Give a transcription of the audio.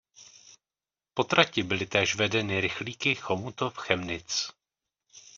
Po trati byly též vedeny rychlíky Chomutov–Chemnitz.